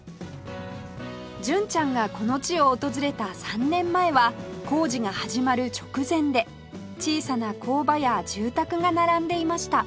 純ちゃんがこの地を訪れた３年前は工事が始まる直前で小さな工場や住宅が並んでいました